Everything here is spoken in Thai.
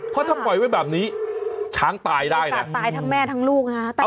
เพราะถ้าปล่อยไว้แบบนี้ช้างตายได้นะ